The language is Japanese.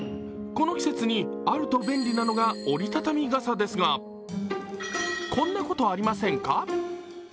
この季節にあると便利なのが折り畳み傘ですがこんなこと、ありませんか？